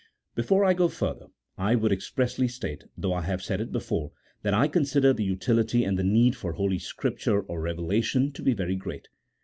Be fore I go further I would expressly state (though I have said it before) that I consider the utility and the need for Holy Scripture or Revelation to be very great.